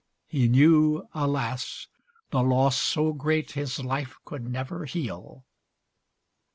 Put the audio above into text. He knew, alas! The loss so great his life could never heal.